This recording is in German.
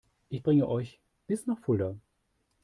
Ich bringe euch bis nach Fulda